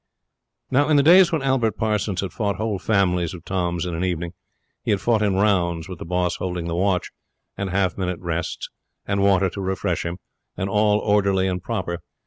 Now, in the days when Albert Parsons had fought whole families of Toms in an evening, he had fought in rounds, with the boss holding the watch, and half minute rests, and water to refresh him, and all orderly and proper.